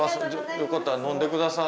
よかったら飲んでください。